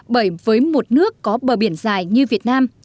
bởi với một nước có bờ biển dài như việt nam